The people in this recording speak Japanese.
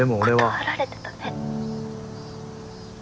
断られてたね。